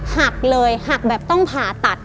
หักเลยหักแบบต้องผ่าตัด